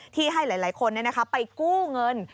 ที่ให้หลายคนไปกู้เงิน